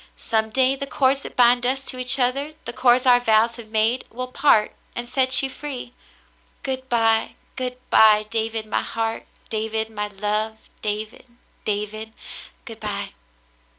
Some day the cords that bind us to each other, the cords our vows have made, will part and set you free. Good by, good by, David my heart, David my love, David, David, good by.